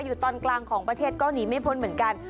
อยู่ตอนกลางของประเทศก็หนีไม่พ้นเหมือนกัน